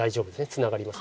ツナがります。